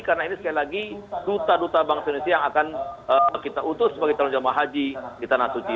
karena ini sekali lagi duta duta bank sementara indonesia yang akan kita utus sebagai calon jamaah haji di tanah suci